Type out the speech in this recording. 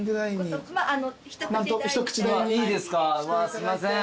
すいません。